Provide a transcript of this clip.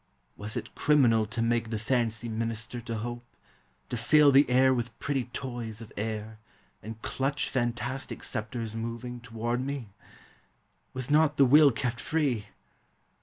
— Was it criminal To make the fancy minister to hope, To fill the air with pretty toys of air, And clutch fantastic sceptres moving fward me? Was not the will kept free?